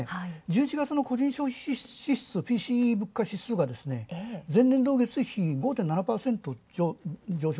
１１月の個人消費支出指数は前年同月比、前年同月比５．７％上昇。